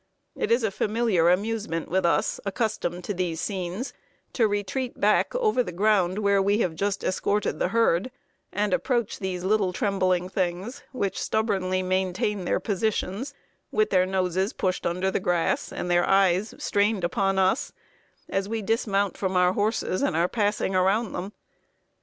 It is a familiar amusement with us, accustomed to these scenes, to retreat back over the ground where we have just escorted the herd, and approach these little trembling things, which stubbornly maintain their positions, with their noses pushed under the grass and their eyes strained upon us, us we dismount from our horses and are passing around them.